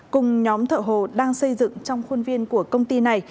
cùng nhóm thợ hồ đang xây dựng trong khuôn viên của công ty này